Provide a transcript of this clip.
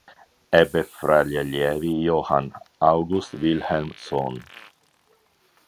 Ebbe fra gli allievi Johann August Wilhelm Sohn.